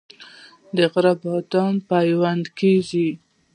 د غره بادام پیوند کیږي؟